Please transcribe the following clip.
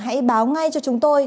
hãy báo ngay cho chúng tôi